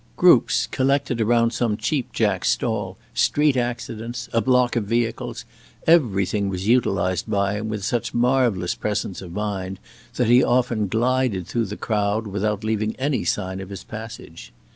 Groups collected around some cheap jack's stall, street accidents, a block of vehicles everything was utilized by him with such marvelous presence of mind that he often glided through the crowd without leaving any sign of his passage.